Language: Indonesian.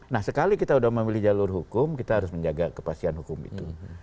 nah sekali kita sudah memilih jalur hukum kita harus menjaga kepastian hukum itu